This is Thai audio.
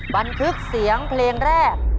บันทึกเสียงเพลงแรก